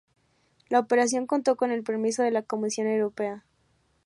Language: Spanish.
La operación contó con el permiso de la Comisión Europea.